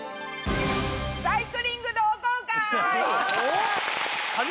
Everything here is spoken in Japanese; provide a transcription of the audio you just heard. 「サイクリング同好会」。